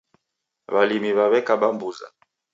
W'alimi w'aw'ekaba mbuza